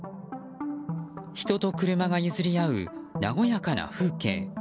人と車が譲り合う和やかな風景。